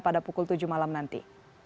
pada pukul tujuh malam nanti